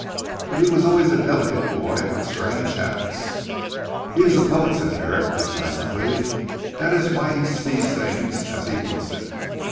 But he was always a delicate boy with strange habits." "He is a poet," said Herrick decisively, "that is why he 'sees things' as he puts it.